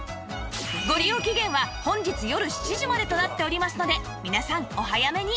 ご利用期限は本日よる７時までとなっておりますので皆さんお早めに